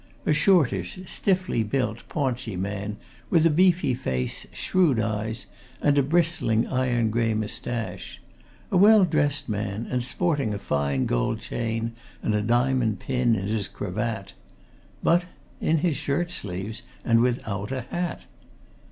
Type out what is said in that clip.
A shortish, stiffly built, paunchy man, with a beefy face, shrewd eyes, and a bristling, iron gray moustache; a well dressed man, and sporting a fine gold chain and a diamond pin in his cravat. But in his shirt sleeves, and without a hat.